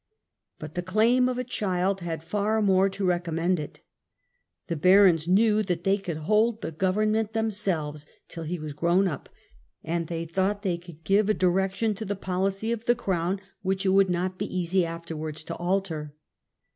But the claim of a child had far more to recommend it. The barons knew that they could hold the government themselves till he was grown up, and they thought they could give a direction to the policy of the crown which it would not be easy afterwards to alter.